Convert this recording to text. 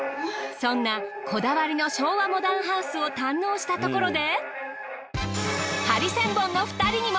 そんなこだわりの昭和モダンハウスを堪能したところで。